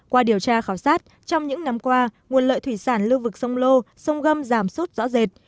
qua điều tra khảo sát trong những năm qua nguồn lợi thủy sản lưu vực sông lô sông gâm giảm sút rõ rệt